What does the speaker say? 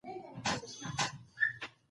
زراعت وزارت ته ورغی.